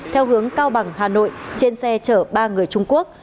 theo hướng cao bằng hà nội trên xe chở ba người trung quốc